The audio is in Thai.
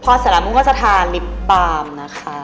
พอเสร็จแล้วมะมูก็จะทาลิปปาร์มนะคะ